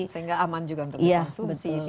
sehingga aman juga untuk dikonsumsi